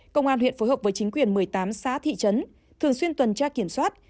công an huyện phối hợp với chính quyền một mươi tám xã thị trấn thường xuyên tuần tra kiểm soát